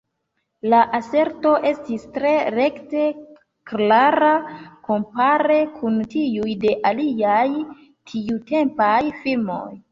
La aserto estis tre rekte klara kompare kun tiuj de aliaj tiutempaj filmoj.